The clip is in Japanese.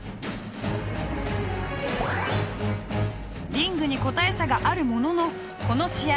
リングに個体差があるもののこの試合